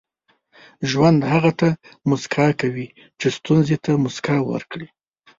• ژوند هغه ته موسکا کوي چې ستونزې ته موسکا ورکړي.